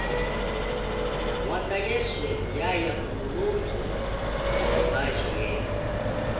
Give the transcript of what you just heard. Mwatha yesu yaya kumulundhu nyi tumbaji jenyi.